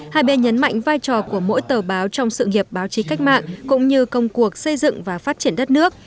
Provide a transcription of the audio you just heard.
hai bên nhấn mạnh vai trò của mỗi tờ báo trong sự nghiệp báo chí cách mạng cũng như công cuộc xây dựng và phát triển đất nước